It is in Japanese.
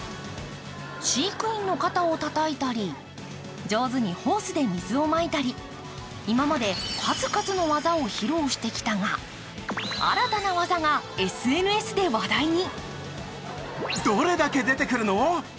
飼育員の肩をたたいたり、上手にホースで水をまいたり、今まで、数々の技を披露してきたが新たな技がＳＮＳで話題に。